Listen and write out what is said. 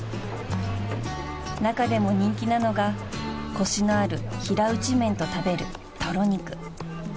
［中でも人気なのがコシのある平打ち麺と食べるとろ肉］